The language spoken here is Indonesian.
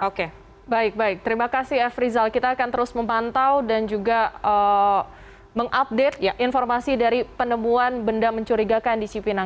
oke baik baik terima kasih f rizal kita akan terus memantau dan juga mengupdate informasi dari penemuan benda mencurigakan di cipinang